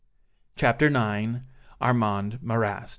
CHAPTER IX. ARMAND MARRAST.